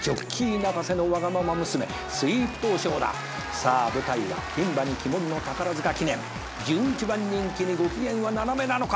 「さあ舞台は牝馬に鬼門の宝塚記念」「１１番人気にご機嫌は斜めなのか！